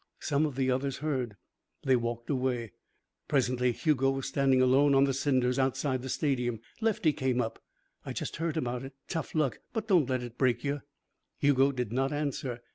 Some of the others heard. They walked away. Presently Hugo was standing alone on the cinders outside the stadium. Lefty came up. "I just heard about it. Tough luck. But don't let it break you." Hugo did not answer.